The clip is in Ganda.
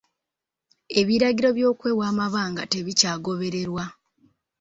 Ebiragiro by'okwewa amabanga tebikyagobererwa.